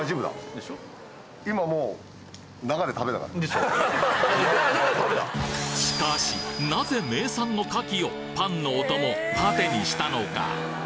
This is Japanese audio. しかしなぜ名産の牡蠣をパンのお供「パテ」にしたのか？